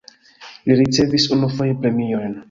Li ricevis unufoje premion.